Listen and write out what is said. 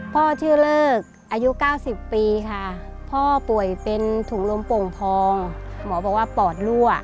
พ่อชื่อเลิกอายุ๙๐ปีค่ะพ่อป่วยเป็นถุงลมโป่งพองหมอบอกว่าปอดรั่ว